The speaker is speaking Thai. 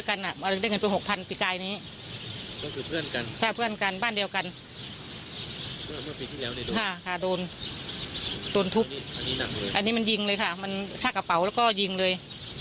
อันนี้มันยิงทั้งแถบอกและยิงเลย